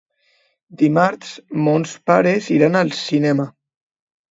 Dimarts mons pares iran al cinema.